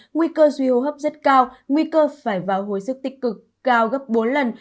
nguy cơ duy hô hấp rất cao nguy cơ phải vào hồi sức tích cực cao gấp bốn lần